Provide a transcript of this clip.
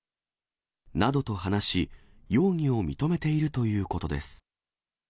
などと話し、容疑を認めているということです。